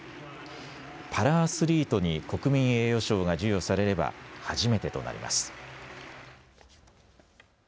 パラアスリートに国民栄誉賞が授与されれば初めてとなります。